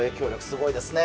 すごいですね。